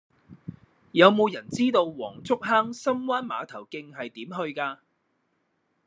有無人知道黃竹坑深灣碼頭徑係點去㗎